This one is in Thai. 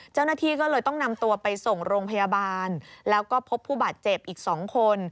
เจ้าหน้าที่ก็เลยต้องนำตัวไปส่งโรงพยาบาลแล้วก็พบผู้บาดเจ็บอีก๒คน